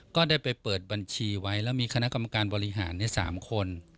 ก็ได้ไปเปิดบัญชีไว้แล้วมีคณะกรรมการบริหารใน๓คน